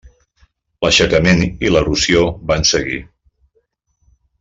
L'aixecament i l'erosió van seguir.